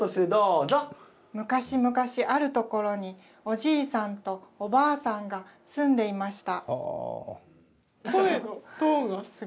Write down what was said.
昔々あるところにおじいさんとおばあさんが住んでいました。